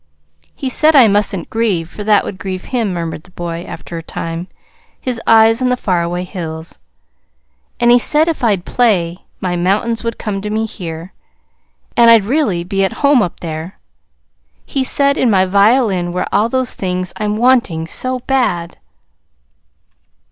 "He said I mustn't grieve, for that would grieve him," murmured the boy, after a time, his eyes on the far away hills. "And he said if I'd play, my mountains would come to me here, and I'd really be at home up there. He said in my violin were all those things I'm wanting so bad!"